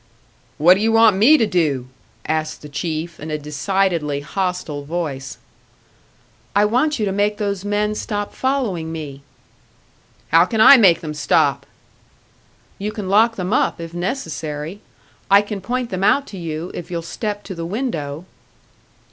"What do you want me to do?" asked the Chief, in a decidedly hostile voice. "I want you to make those men stop following me." "How can I make them stop?" "You can lock them up, if necessary. I can point them out to you, if you'll step to the window."